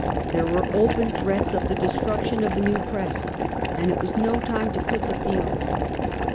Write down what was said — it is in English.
There were open threats of the destruction of the new^ press, and it was no time to quit the field.